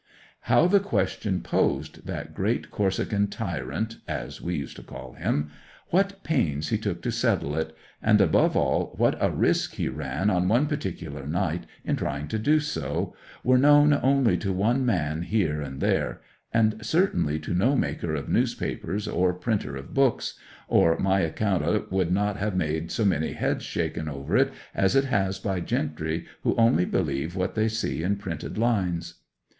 How the question posed that great Corsican tyrant (as we used to call him), what pains he took to settle it, and, above all, what a risk he ran on one particular night in trying to do so, were known only to one man here and there; and certainly to no maker of newspapers or printer of books, or my account o't would not have had so many heads shaken over it as it has by gentry who only believe what they see in printed lines.